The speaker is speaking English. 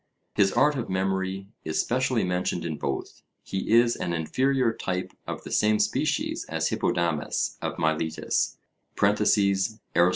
His art of memory is specially mentioned in both. He is an inferior type of the same species as Hippodamus of Miletus (Arist.